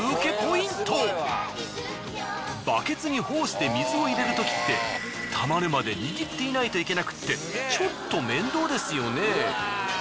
バケツにホースで水を入れるときって溜まるまで握っていないといけなくってちょっと面倒ですよね。